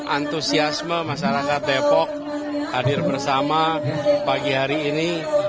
antusiasme masyarakat depok hadir bersama pagi hari ini